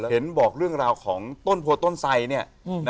เห็นบอกเรื่องราวของต้นโพต้นไสเนี่ย